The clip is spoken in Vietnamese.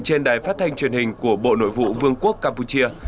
trên đài phát thanh truyền hình của bộ nội vụ vương quốc campuchia